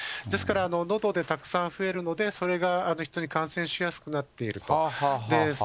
ですからのどでたくさん増えるので、それが人に感染しやすくなっていると。